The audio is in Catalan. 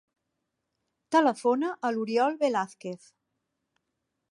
Telefona a l'Oriol Velazquez.